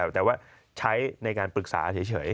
แต่ว่าใช้ในการปรึกษาเฉย